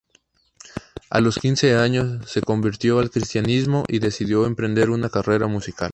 A los quince años, se convirtió al cristianismo y decidió emprender una carrera musical.